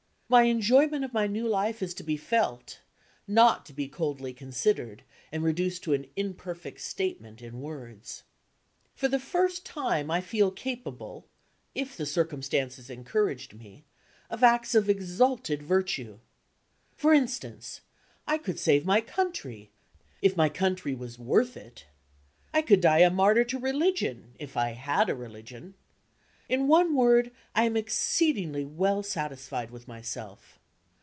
My enjoyment of my new life is to be felt not to be coldly considered, and reduced to an imperfect statement in words. For the first time I feel capable, if the circumstances encouraged me, of acts of exalted virtue. For instance, I could save my country if my country was worth it. I could die a martyr to religion if I had a religion. In one word, I am exceedingly well satisfied with myself.